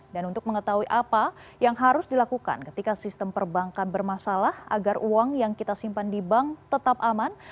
dan untuk mengetahui apa yang harus dilakukan ketika sistem perbankan bermasalah agar uang yang kita simpan di bank tetap aman